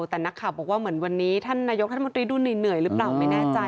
แต่นักข่าวบอกว่าเหมือนวันนี้ท่านนายกรัฐมนตรีดูเหนื่อยหรือเปล่าไม่แน่ใจ